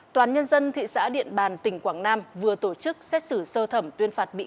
tòa án nhân dân thị xã điện bàn tỉnh quảng nam vừa tổ chức xét xử sơ thẩm tuyên phạt bị cắt